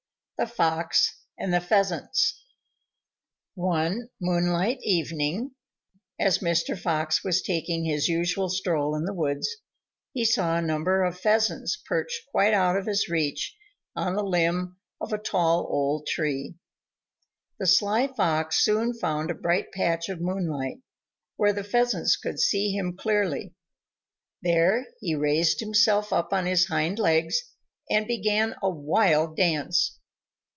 _ THE FOX AND THE PHEASANTS One moonlight evening as Master Fox was taking his usual stroll in the woods, he saw a number of Pheasants perched quite out of his reach on a limb of a tall old tree. The sly Fox soon found a bright patch of moonlight, where the Pheasants could see him clearly; there he raised himself up on his hind legs, and began a wild dance.